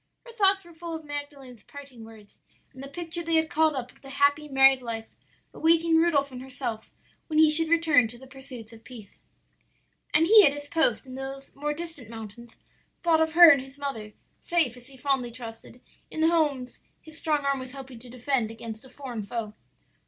Her thoughts were full of Magdalen's parting words and the picture they had called up of the happy married life awaiting Rudolph and herself when he should return to the pursuits of peace. "And he at his post in those more distant mountains, thought of her and his mother; safe, as he fondly trusted, in the homes his strong arm was helping to defend against a foreign foe.